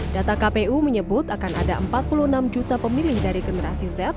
data kpu menyebut akan ada empat puluh enam juta pemilih dari generasi z